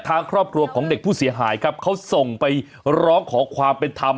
ทางครอบครัวของเด็กผู้เสียหายครับเขาส่งไปร้องขอความเป็นธรรม